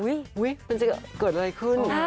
อุ้ยเกิดอะไรขึ้น